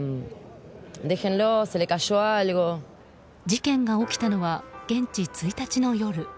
事件が起きたのは現地１日の夜。